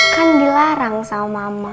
kan dilarang sama mama